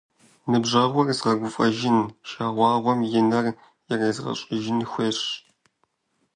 Ныбжьэгъур згъэгуфӏэжын, жагъуэгъум и нэр ирезгъэщӏыжын хуейщ.